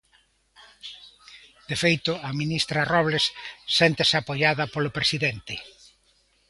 De feito, a ministra Robles séntese apoiada polo presidente.